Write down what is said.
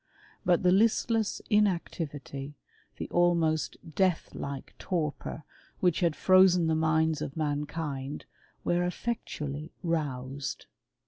But the listless inactivity, the ^niost deathlike torpor which had frozen the minds of Mankind, were effectually roused.